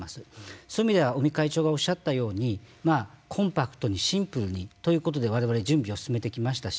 そういう意味では尾身会長がおっしゃったようにコンパクトにシンプルにということで、われわれ準備を進めてきましたし